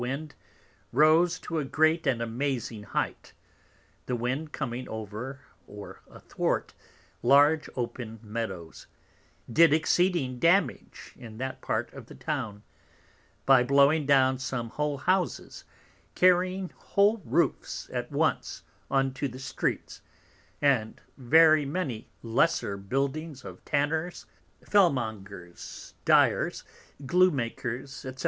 Wind, rose to a great and amazing height; the Wind coming over or a thwart large open Meadows, did exceeding damage in that part of the Town, by blowing down some whole Houses, carrying whole Roofs at once into the Streets, and very many lesser Buildings of Tanners, Fell mongers, Dyers, Glue makers, _&c.